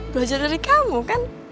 belajar dari kamu kan